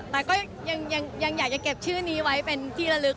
แต่ก็ยังอยากจะเก็บชื่อนี้ไว้เป็นที่ละลึก